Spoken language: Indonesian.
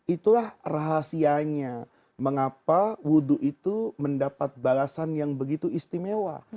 itulah rahasianya mengapa wudhu itu mendapat balasan yang begitu istimewa